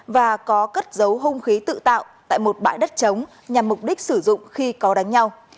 và có cất dấu hung khí tự tạo tại một bãi đất chống nhằm mục đích sử dụng khi có đánh nhau